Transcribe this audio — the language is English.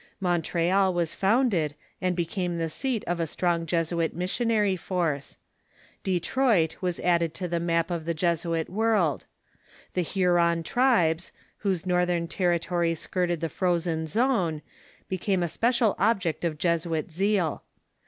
Montreal was founded, and became the seat of a strong Jesuit missionary force. Detroit was added to the map of the Jesuit world. The Huron tribes, Avhose northern terri tory skirted the frozen zone, became a sjjecial object of Jesuit zeal.